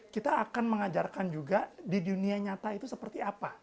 kita akan mengajarkan juga di dunia nyata itu seperti apa